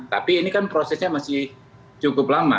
tapi ini kan prosesnya masih cukup lama